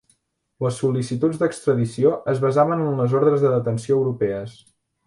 Les sol·licituds d'extradició es basaven en les ordres de detenció europees.